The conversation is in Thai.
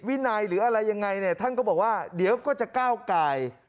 วินัยหรืออะไรยังไงเนี่ยท่านก็บอกว่าเดี๋ยวก็จะก้าวไก่